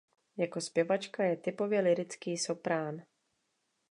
Jako zpěvačka je typově lyrický soprán.